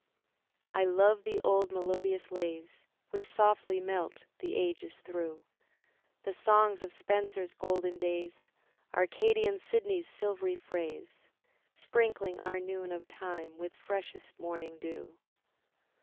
I love the old melodious lays Which softly melt the ages through, The songs of Spenser's golden days. Arcadian Sidney's silvery phrase. Sprinkling oiu* noon of time with freshest morning dew.